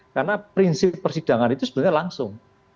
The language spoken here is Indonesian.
karena prinsip persidangan itu sebenarnya langsung